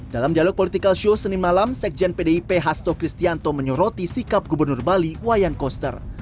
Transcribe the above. dalam dialog political show senin malam sekjen pdip hasto kristianto menyoroti sikap gubernur bali wayan koster